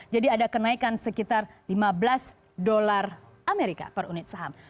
jadi ada kenaikan sekitar lima belas dolar amerika per unit saham